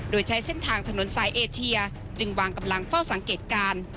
โดยใช้เส้นทางถนนสายเอเชียจึงวางกำลังเฝ้าสังเกตการ